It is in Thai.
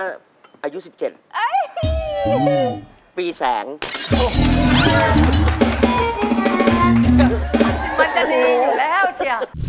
มันจะดีอยู่แล้วจ้ะ